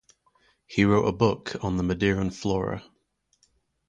He wrote a book on the Madeiran flora.